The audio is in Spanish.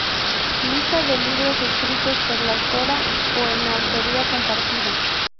Lista de libros escritos por la autora o en autoría compartida.